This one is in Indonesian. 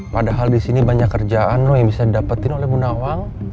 padahal di sini banyak kerjaan yang bisa didapetin oleh bu nawang